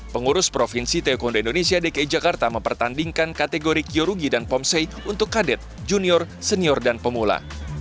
pengurus provinsi taekwondo indonesia dki jakarta mempertandingkan kategori kyorugi dan pomsei untuk kadet junior senior dan pemula